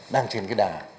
đang trên cái đà